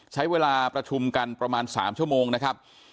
ใช้เวลาประชุมกันประมาณ๓ชั่วโมงนะครับ